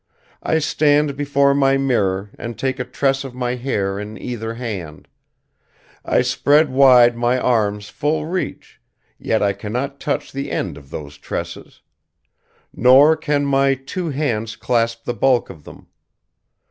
"I stand before my mirror and take a tress of my hair in either hand; I spread wide my arms full reach, yet I cannot touch the end of those tresses. Nor can my two hands clasp the bulk of them.